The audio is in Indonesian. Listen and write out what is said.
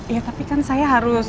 ya tapi kan saya harus